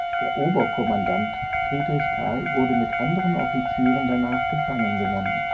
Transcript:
Der Oberkommandant Friedrich Karl wurde mit anderen Offizieren danach gefangen genommen.